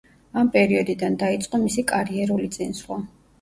ამ პერიოდიდან დაიწყო მისი კარიერული წინსვლა.